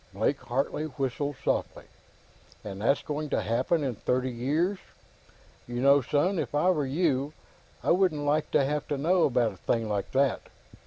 Blake Hartley whistled softly. "And that's going to happen in thirty years! You know, son, if I were you, I wouldn't like to have to know about a thing like that."